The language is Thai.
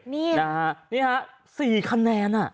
นี่ฮะ๔คะแนนอ่ะ